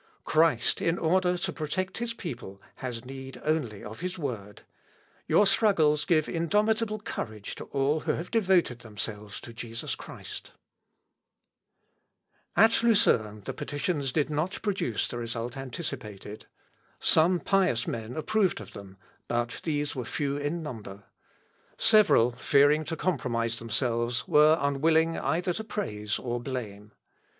Christ, in order to protect his people, has need only of his Word. Your struggles give indomitable courage to all who have devoted themselves to Jesus Christ." Is permaneas, qui es, in Christo Jesu.... (Zw. Ep. p. 210.) At Lucerne, the petitions did not produce the result anticipated. Some pious men approved of them, but these were few in number. Several, fearing to compromise themselves, were unwilling either to praise or blame.